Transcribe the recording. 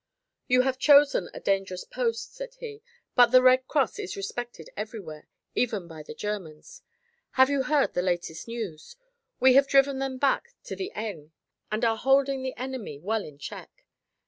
"You have chosen a dangerous post," said he, "but the Red Cross is respected everywhere even by the Germans. Have you heard the latest news? We have driven them back to the Aisne and are holding the enemy well in check.